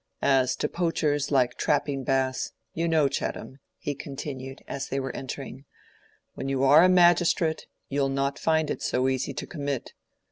"As to poachers like Trapping Bass, you know, Chettam," he continued, as they were entering, "when you are a magistrate, you'll not find it so easy to commit.